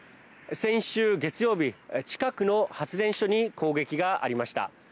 先週、月曜日近くの発電所に攻撃がありました。